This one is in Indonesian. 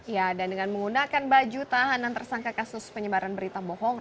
ya dan dengan menggunakan baju tahanan tersangka kasus penyebaran berita bohong